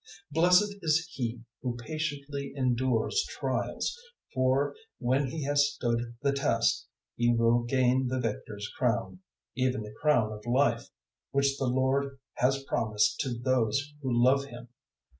001:012 Blessed is he who patiently endures trials; for when he has stood the test, he will gain the victor's crown even the crown of Life which the Lord has promised to those who love Him.